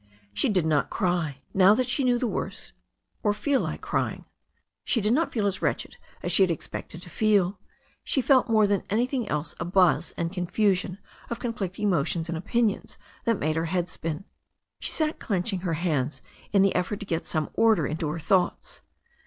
She did not cry, now that she knew the worst, or feel like crying. She did not feel as wretched as she had expected to feel. She felt more than anything else a buzz and confusion of conflicting emotions and opinions that made her head spia She sat clenching her hands in the effort to get some order into her thoughts.